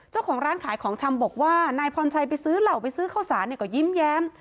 เจ้าของร้านขายของชำบอกว่านายพรชัยไปซื้อเหล่าไปซื้อข้าวสารเนี่ยก็ยิ้มแย้ม